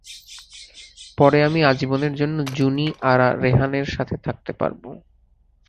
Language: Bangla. পরে আমি আজীবনের জন্য জুনি আরা রেহানের সাথে থাকতে পারব।